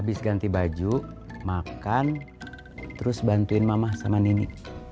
habis ganti baju makan terus bantuin mama sama nini